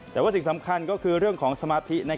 แต่ว่าสิ่งสำคัญก็คือเรื่องของสมาธิ